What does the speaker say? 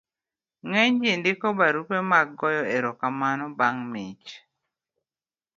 ng'eny ji ndiko barupe mag goyo erokamano bang' mich